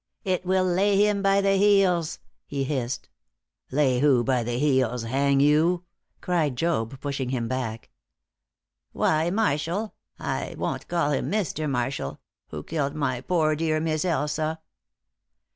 "It will lay him by the heels," he hissed. "Lay who by the heels, hang you?" cried Job, pushing him back. "Why, Marshall I won't call him 'Mister' Marshall who killed my poor dear Miss Elsa."